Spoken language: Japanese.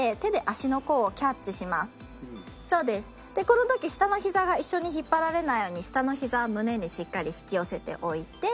この時下の膝が一緒に引っ張られないように下の膝は胸にしっかり引き寄せておいて。